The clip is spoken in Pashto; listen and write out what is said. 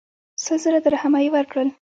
سل زره درهمه یې ورکړل.